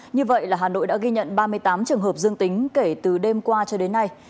như vậy là hà nội đã ghi nhận ba mươi tám trường hợp dương tính kể từ đêm qua cho đến nay